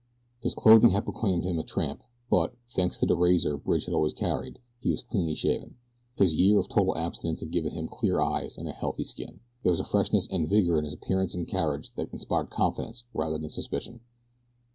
His clothing had proclaimed him a tramp, but, thanks to the razor Bridge always carried, he was clean shaven. His year of total abstinence had given him clear eyes and a healthy skin. There was a freshness and vigor in his appearance and carriage that inspired confidence rather than suspicion.